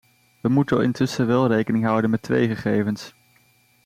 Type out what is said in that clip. We moeten intussen wel rekening houden met twee gegevens.